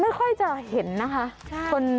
ค่อยจะเห็นนะคะ